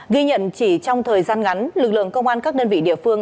ghi nhận chỉ trong thời gian ngắn lực lượng công an các đơn vị địa phương